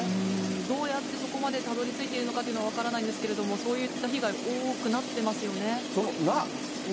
どうやってそこまでたどりついてるのかというのは分からないんですけれども、そういった被害、多くなってますよね。